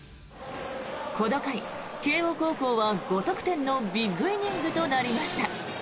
この回、慶応高校は５得点のビッグイニングとなりました。